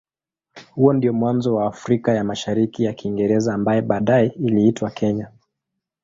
Huo ndio mwanzo wa Afrika ya Mashariki ya Kiingereza ambaye baadaye iliitwa Kenya.